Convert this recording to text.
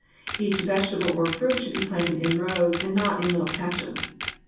Each vegetable or fruit should be planted in rows, and not in little patches.